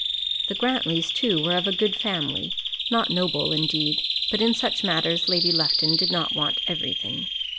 The Grantlys, too, were of a good family, not noble, indeed; but in such matters Lady Lufton did not want everything.